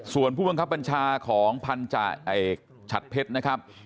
ส่วนผู้บังคับบัญชาของชัดเพชรนะครับ